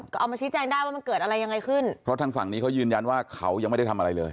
ก็เอามาชี้แจงได้ว่ามันเกิดอะไรยังไงขึ้นเพราะทางฝั่งนี้เขายืนยันว่าเขายังไม่ได้ทำอะไรเลย